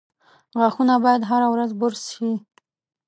• غاښونه باید هره ورځ برس شي.